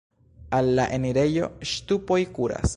Al la enirejo ŝtupoj kuras.